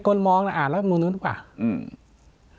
คนมองน่ะอ่านรัฐมนุนดูก่อน